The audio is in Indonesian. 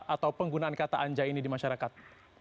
atau penggunaan kata anjai ini di masyarakat